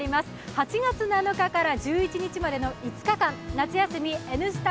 ８月７日から１１日までの５日間、夏休み「Ｎスタ」